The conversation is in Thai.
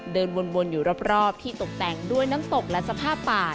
เดินวนอยู่รอบที่ตกแต่งด้วยน้ำตกและสภาพป่า